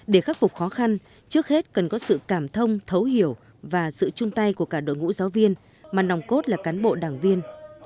để khắc phục khó khăn trước hết cần có sự cảm thông thấu hiểu và sự chung tay của cả đội ngũ giáo viên mà nòng cốt là cán bộ đảng viên